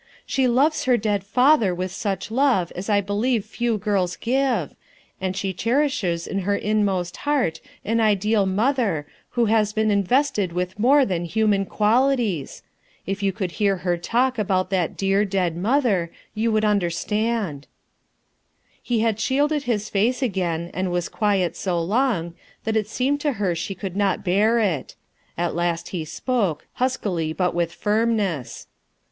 She loves her dead father wfch ^h tovDM I believe fc* gHs ^^ cherishes m her inmost heart an i { wi „,«,,, tai Mother who has been invested with more than human qualities; if you could hear her talk about that dear, dead mother, you would understand " He had shielded his face again, and was 'quirt so long, that it seemed to her she could not bear it. At last he spoke, huskily but with firmness.